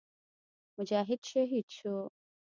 مجاهد شهید شو.